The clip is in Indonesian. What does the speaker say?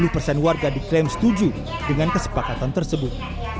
lima puluh persen warga diklaim setuju dengan kesepakatan tersebut